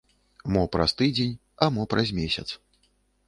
Мо праз тыдзень, а мо праз месяц.